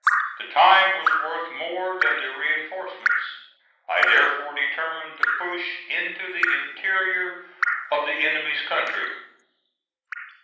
The time was worth more than the reinforcements; I therefore determined to push into the interior of the enemy's country.